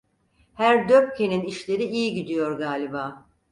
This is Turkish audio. Herr Döppke'nin işleri iyi gidiyor galiba!